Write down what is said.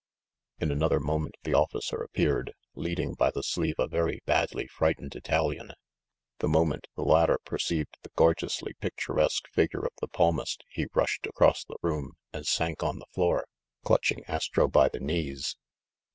In another moment the officer appeared, leading by the sleeve a very badly frightened Italian. The mo ment the latter perceived the gorgeously picturesque figure of the palmist he rushed across the room and sank on the floor, clutching Astro by the knees.